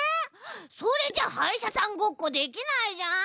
それじゃはいしゃさんごっこできないじゃん！